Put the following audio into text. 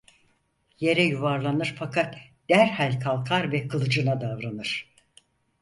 Yere yuvarlanır, fakat derhal kalkar ve kılıcına davranır.